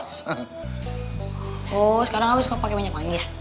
oh sekarang abah suka pake minyak wangi ya